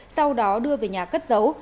sau đó đưa về nhà cất giấu